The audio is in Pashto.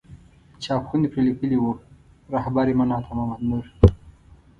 چاپ خونې پرې لیکلي وو رهبر من عطا محمد نور.